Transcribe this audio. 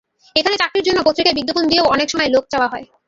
এখানে চাকরির জন্য পত্রিকায় বিজ্ঞাপন দিয়েও অনেক সময় লোক চাওয়া হয়।